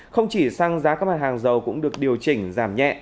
không chỉ xăng giá các mặt hàng dầu cũng được điều chỉnh giảm nhẹ